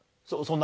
そう。